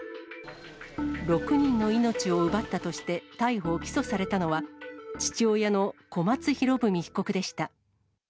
６人の命を奪ったとして逮捕・起訴されたのは、父親の小松博文被告でした。